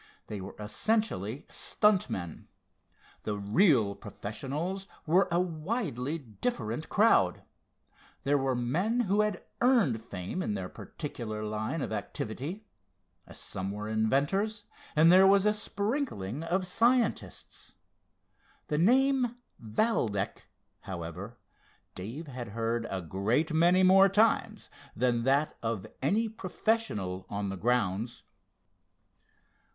They were essentially "stunt" men. The real professionals were a widely different crowd. There were men who had earned fame in their particular line of activity. Some were inventors, and there was a sprinkling of scientists. The name, Valdec, however, Dave had heard a great many more times than that of any professional on the grounds.